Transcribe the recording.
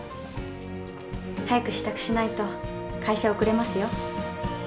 早く支度しないと会社遅れますよ